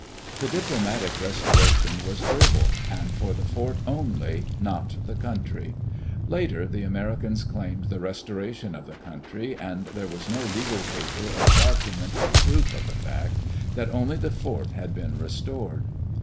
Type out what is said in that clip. The diplomatic restoration was verbal, and for the fort only, not the country; later, the Americans claimed the restoration of the country, and there was no legal paper or docu mentary proof of the fact that only the fort had been restored.